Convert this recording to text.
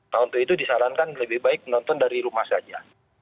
nah untuk itu disarankan lebih baik menonton dari rumah saja